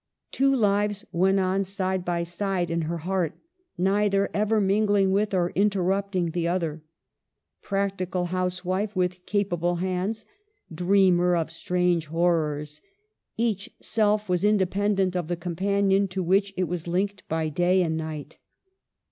Two lives went on side by side in her heart, neither ever mingling with or interrupt ing the other. Practical housewife with capable hands, dreamer of strange horrors : each self was independent of the companion to which it was linked by day and night.